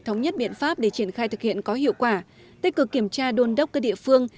thống nhất biện pháp để triển khai thực hiện có hiệu quả tích cực kiểm tra đôn đốc các địa phương